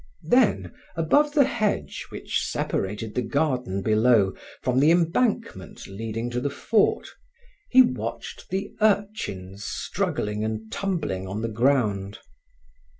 Then, above the hedge which separated the garden below from the embankment leading to the fort, he watched the urchins struggling and tumbling on the ground.